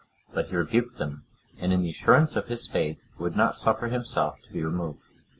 But he rebuked them, and in the assurance of his faith, would not suffer himself to be removed.